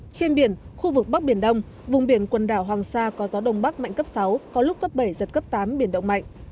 trên biển khu vực bắc biển đông vùng biển quần đảo hoàng sa có gió đông bắc mạnh cấp sáu có lúc cấp bảy giật cấp tám biển động mạnh